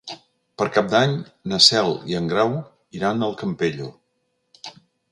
Per Cap d'Any na Cel i en Grau iran al Campello.